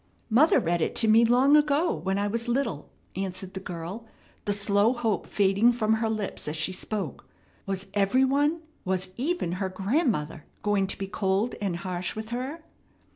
"Mother read it to me long ago when I was little," answered the girl, the slow hope fading from her lips as she spoke. Was every one, was even her grandmother, going to be cold and harsh with her?